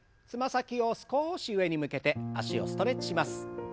つま先を少し上に向けて脚をストレッチします。